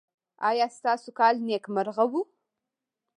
ایا ستاسو کال نیکمرغه و؟